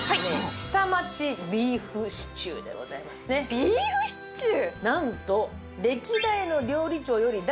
下町ビーフシチューでございますねビーフシチュー？